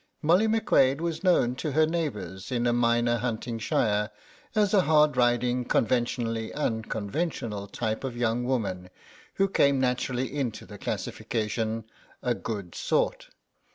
Molly McQuade was known to her neighbours in a minor hunting shire as a hard riding conventionally unconventional type of young woman, who came naturally into the classification, "a good sort."